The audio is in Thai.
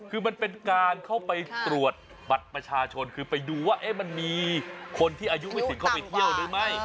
คือมันเป็นการเข้าไปตรวจบัตรประชาชนคือไปดูว่ามันมีคนที่อายุไม่ถึงเข้าไปเที่ยวหรือไม่